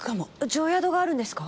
定宿があるんですか？